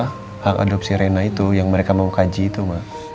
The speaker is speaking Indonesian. hak adopsi rena itu yang mereka mau kaji itu mbak